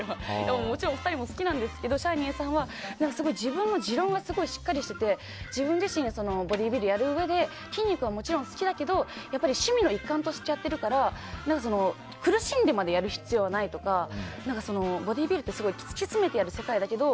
もちろんお二人も好きなんですけどシャイニーさんは自分の持論がすごいしっかりしてて自分自身ボディービルをやるうえで筋肉はもちろん好きだけどやっぱり趣味の一環としてやってるから苦しんでまでやる必要はないとかボディービルって突き詰めてやる世界だけど。